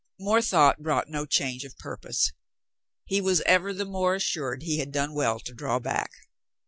More thought brought no change of purpose. He was ever the more as sured he had done well to draw back.